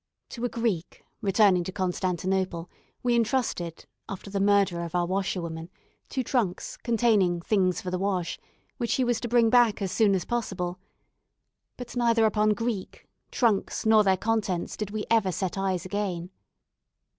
To a Greek, returning to Constantinople, we entrusted (after the murder of our washerwoman) two trunks, containing "things for the wash," which he was to bring back as soon as possible. But neither upon Greek, trunks, nor their contents did we ever set eyes again.